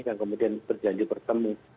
dan kemudian berjanji bertemu